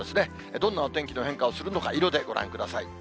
どんなお天気の変化をするのか、色でご覧ください。